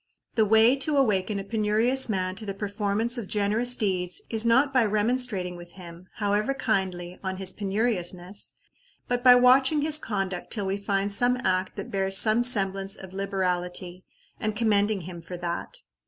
The way to awaken a penurious man to the performance of generous deeds is not by remonstrating with him, however kindly, on his penuriousness, but by watching his conduct till we find some act that bears some semblance of liberality, and commending him for that.